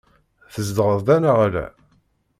Tzedɣeḍ da, neɣ ala?